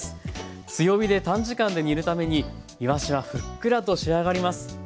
強火で短時間で煮るためにいわしはふっくらと仕上がります。